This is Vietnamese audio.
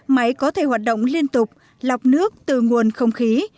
máy có thể hoạt động liên tục lọc nước từ nguồn không khí